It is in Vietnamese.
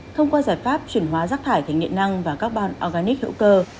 thông qua giải pháp chuyển hóa rác thải thành nhiện năng và các bàn organic hữu cơ